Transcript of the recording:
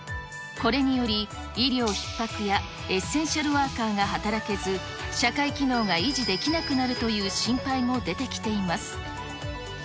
これにより、医療ひっ迫やエッセンシャルワーカーが働けず、社会機能が維持できなくなるという心配も出てきています。